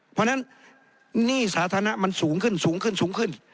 เพราะฉะนั้นหนี้สาธารณะมันสูงขึ้นสูงขึ้นสูงขึ้น